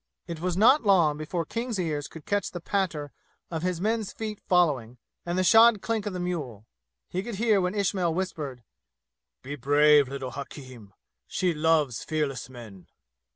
It was not long before King's ears could catch the patter of his men's feet following, and the shod clink of the mule. He could hear when Ismail whispered: "Be brave, little hakim! She loves fearless men."